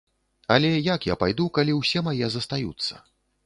Але як я пайду, калі ўсе мае застаюцца?